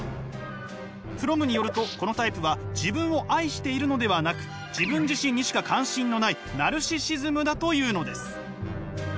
フロムによるとこのタイプは自分を愛しているのではなく自分自身にしか関心のないナルシシズムだというのです。